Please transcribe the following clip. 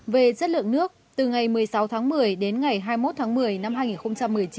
về chất lượng nước từ ngày một mươi sáu tháng một mươi đến ngày hai mươi một tháng một mươi năm hai nghìn một mươi chín